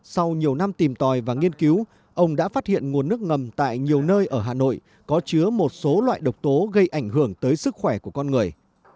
sau nhiều năm tìm tòi và nghiên cứu ông đã phát hiện nguồn nước ngầm tại nhiều nơi ở hà nội có chứa một số loại độc tố gây ảnh hưởng tới sức khỏe của con người